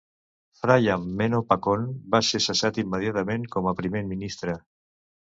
Phraya Manopakorn va ser cessat immediatament com a Primer Ministre.